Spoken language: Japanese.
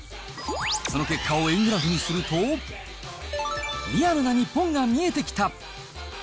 その結果を円グラフにすると、リアルな日本が見えてきた。